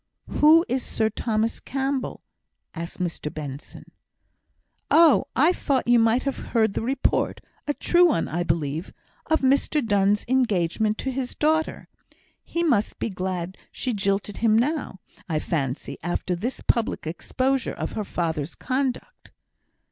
"Who is Sir Thomas Campbell?" asked Mr Benson. "Oh, I thought you might have heard the report a true one, I believe of Mr Donne's engagement to his daughter. He must be glad she jilted him now, I fancy, after this public exposure of her father's conduct."